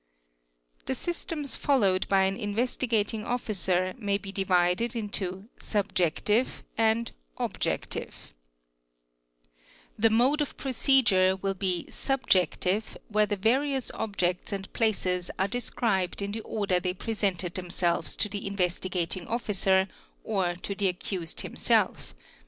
The systems followed by an Investigating Officer may be divided into " subjective' and ' objective "'. q _ The mode of procedure will be '' subjective' where the various objects = ind places are described in the order they presented themselves to the Tnvestigating Officer or to the accused himself; 7.